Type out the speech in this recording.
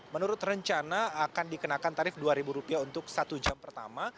menurut rencana akan dikenakan tarif rp dua untuk satu jam pertama